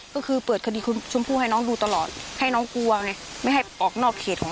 กลัวว่าจะเกิดเหตุร้ายเหมือนกับน้องชมพู่